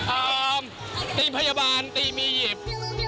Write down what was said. อ่าทีมพยาบาลทีมอียิปต์